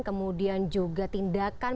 kemudian juga tindakan